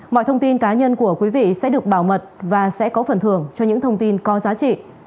mọi thông tin cá nhân của quý vị sẽ được bảo mật và sẽ có phần thưởng cho những thông tin có giá trị